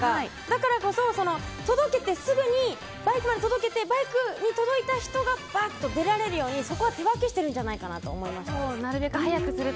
だからこそ届けてすぐにバイクまで届けてバイクに届いた人がバッと出られるようにそこは手分けしていると思いました。